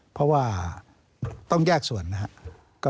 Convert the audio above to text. เพราะว่าต้องแยกส่วนนะครับ